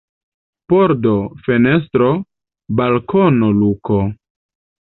Pordo, fenestro, balkono, luko.